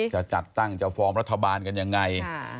จะจัดตั้งจะฟอร์มรัฐบาลกันยังไง